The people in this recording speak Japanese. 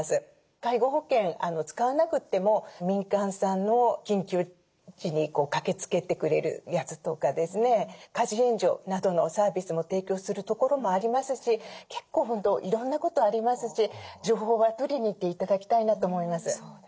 介護保険使わなくても民間さんの緊急時に駆けつけてくれるやつとかですね家事援助などのサービスも提供するところもありますし結構本当いろんなことありますし情報は取りに行って頂きたいなと思います。